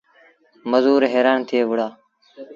مزور هيرآن ٿئي وُهڙآ۔